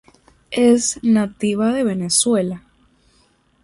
Es nativa de Venezuela.